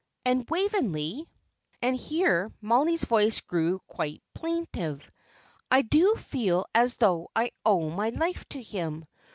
And Waveney" and here Mollie's voice grew plaintive "I do feel as though I owe my life to him.